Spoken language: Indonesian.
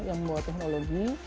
yang membawa teknologi